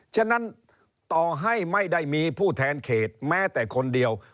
ฉะนั้นต่อให้ไม่ได้มีผู้แทนเขตแม้แต่คนเดียว